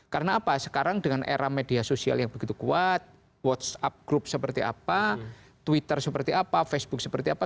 karena apa sekarang dengan era media sosial yang begitu kuat whatsapp group seperti apa twitter seperti apa facebook seperti apa